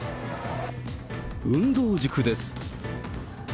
運動塾です。